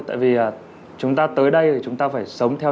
tại vì chúng ta tới đây thì chúng ta phải sống theo